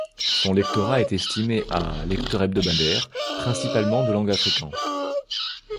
Son lectorat est estimé à lecteurs hebdomadaires, principalement de langue afrikaans.